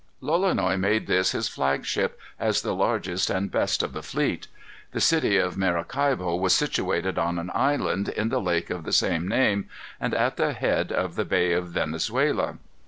Lolonois made this his flagship, as the largest and best of the fleet. The city of Maracaibo was situated on an island, in the lake of the same name, and at the head of the Bay of Venezuela.